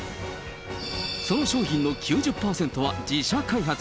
その商品の９０％は自社開発。